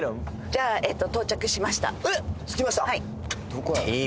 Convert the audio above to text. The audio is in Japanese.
じゃあえっ着きました？